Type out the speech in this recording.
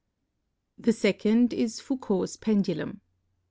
The second is Foucault's pendulum.